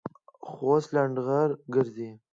خو اوس لنډغر گرځي.